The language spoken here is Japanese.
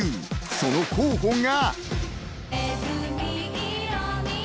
その候補が。